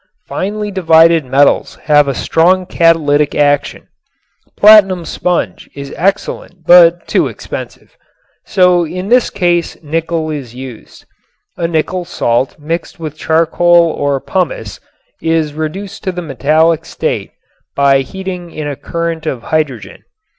Finely divided metals have a strong catalytic action. Platinum sponge is excellent but too expensive. So in this case nickel is used. A nickel salt mixed with charcoal or pumice is reduced to the metallic state by heating in a current of hydrogen.